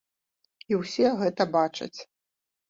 І ўсе гэта бачаць.